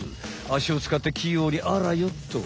アシを使って器用にあらよっと。